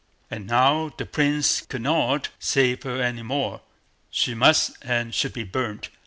And now the Prince could not save her any longer. She must and should be burnt.